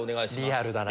リアルだなぁ。